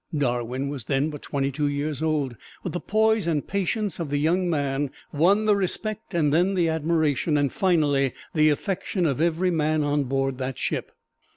Darwin was then but twenty two years old, but the poise and patience of the young man won the respect and then the admiration and finally the affection of every man on board that ship.